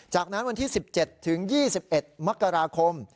จากนั้นวันที่๑๗ถึง๒๑มกราคม